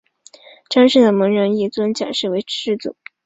章氏的门人亦尊蒋氏为师祖。